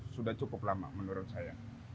sudah cukup lama menurut saya